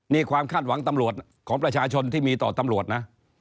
นี่ความคาดหวังตำรวจของประชาชนที่มีต่อตำรวจนะ